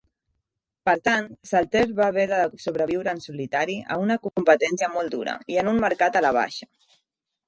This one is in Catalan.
Per tant, Saltair va haver de sobreviure en solitari a una competència molt dura, i en un mercat a la baixa.